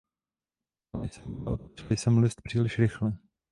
Chtěla jsem, ale otočila jsem list příliš rychle.